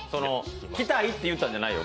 着たいと言ったんじゃないよ